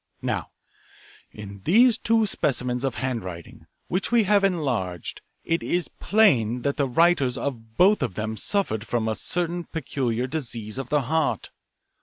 "Now, in these two specimens of handwriting which we have enlarged it is plain that the writers of both of them suffered from a certain peculiar disease of the heart.